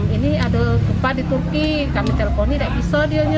ini ada gempa di turkiye kami teleponnya tidak bisa dia